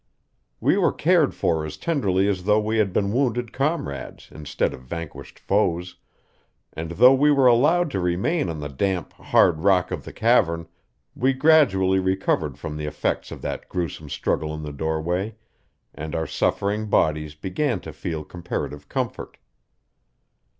We were cared for as tenderly as though we had been wounded comrades instead of vanquished foes, and though we were allowed to remain on the damp, hard rock of the cavern, we gradually recovered from the effects of that gruesome struggle in the doorway, and our suffering bodies began to feel comparative comfort.